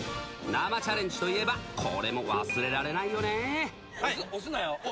生チャレンジといえば、これも忘れられないよね。